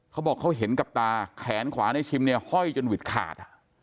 เขาบอกเขาเห็นกับตาแขนขวาในชิมเนี่ยห้อยจนหวิดขาด